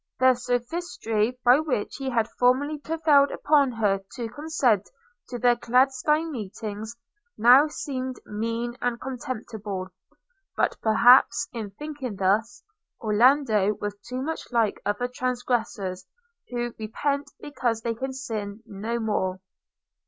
The sophistry by which he had formerly prevailed upon her to consent to their clandestine meetings, now seemed mean and contemptible; but perhaps, in thinking thus, Orlando was too much like other transgressors, who repent because they can sin no more.